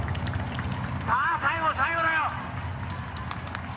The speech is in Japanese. さあ、最後、最後だよ！